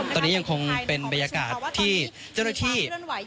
ตอนนี้ยังคงเป็นบรรยากาศที่เจ้าหน้าที่